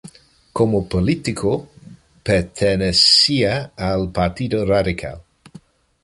Como político, pertenecía al Partido Radical.